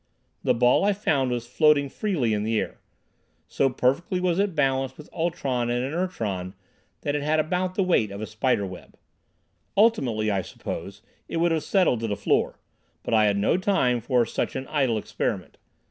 The ball, I found, was floating freely in the air. So perfectly was it balanced with ultron and inertron that it had about the weight of a spider web. Ultimately, I suppose, it would have settled to the floor. But I had no time for such an idle experiment.